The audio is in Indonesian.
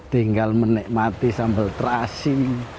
tinggal menikmati sambal terasi